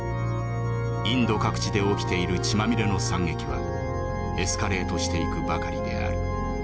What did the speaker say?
インド各地で起きている血まみれの惨劇はエスカレートしていくばかりである。